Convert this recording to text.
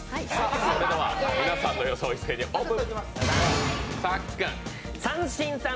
それでは皆さんの予想を一斉にオープン。